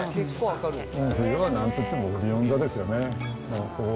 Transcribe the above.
冬はなんといってもオリオン座ですよね。